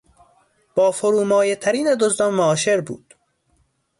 با فرومایهترین دزدان معاشر بود.